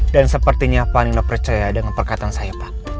dan sepertinya panina percaya dengan perkataan saya pak